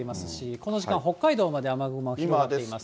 この時間、北海道まで雨雲がかかっています。